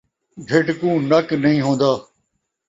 ڈھڈھ کوں نک نئیں ہون٘دا